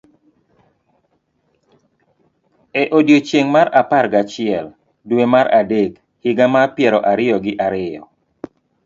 E odiechieng' mar apar gachiel, dwe mar adek, higa mar piero ariyo gi ariyo,